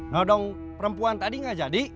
nodong perempuan tadi gak jadi